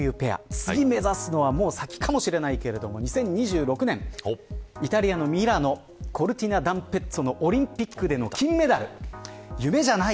次目指すのはもう先かもしれないけど２０２６年イタリアのミラノコルティナ・ダンペッソのオリンピックでの金メダル夢じゃない。